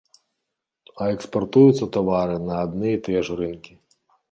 А экспартуюцца тавары на адны і тыя ж рынкі.